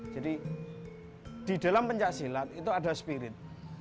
jadi di dalam pencaksilat itu ada spirit